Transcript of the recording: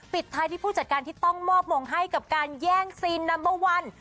ปิดท้ายที่ผู้จัดการที่ต้องมอบวงให้กับการแย่งซีนนัมเบอร์วัน